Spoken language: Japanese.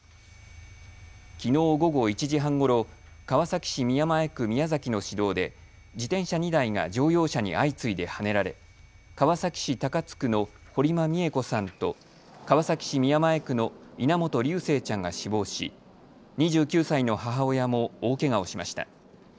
きのう午後１時半ごろ、川崎市宮前区宮崎の市道で自転車２台が乗用車に相次いではねられ川崎市高津区の堀間美恵子さんと川崎市宮前区の稲本琉正ちゃんが死亡し、２９歳の母親も大けがをしました。